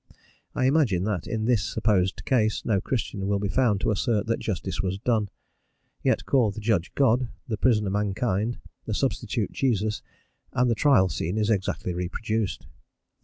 I imagine that, in this supposed case, no Christian will be found to assert that justice was done; yet call the judge God, the prisoner mankind, the substitute Jesus, and the trial scene is exactly reproduced.